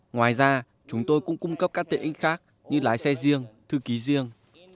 ngoài ra chúng tôi cũng cung cấp các tiện ích khác như lái xe riêng thư ký riêng